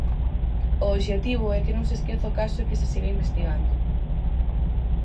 O obxectivo é que non se esqueza o caso e que se siga investigando.